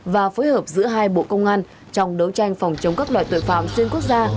và phối hợp giữa hai bộ công an trong đấu tranh phòng chống các loại tội phạm xuyên quốc gia